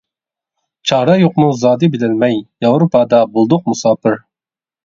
چارە يوقمۇ زادى بىلەلمەي، ياۋروپادا بولدۇق مۇساپىر.